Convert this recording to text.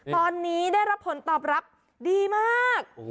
ตอนนี้ได้รับผลตอบรับดีมาก